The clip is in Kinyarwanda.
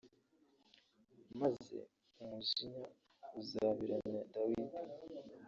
maze umujinya uzabiranya Dawidi